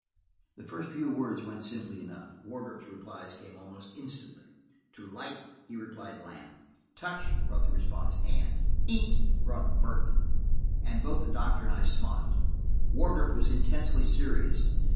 The first few words went simply enough. Wardrop's replies came almost instantly. To "light" he replied "lamp;" "touch" brought the response "hand;" "eat" brought "Burton," and both the doctor and I smiled. Wardrop was intensely serious.